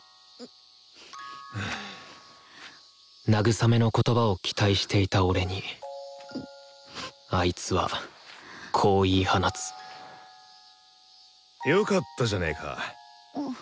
慰めの言葉を期待していた俺にあいつはこう言い放つよかったじゃねか。